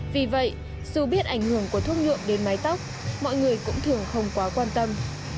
vì vậy dù biết ảnh hưởng của thuốc nhuộm đến mái tóc mọi người cũng thường không quá quan tâm